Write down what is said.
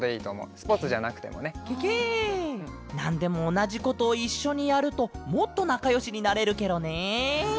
なんでもおなじことをいっしょにやるともっとなかよしになれるケロね。